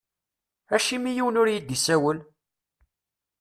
Acimi yiwen ur iyi-d-isawel?